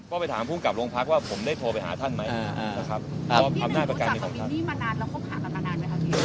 เพราะว่ารู้จักสนิทสนุกกับตำรวจแบบนี้แหละคะ